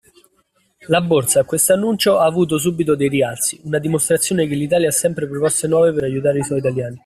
La borsa a quest'annuncio ha avuto subito dei rialzi, a dimostrazione che l'Italia ha sempre proposte nuove per aiutare i suoi italiani.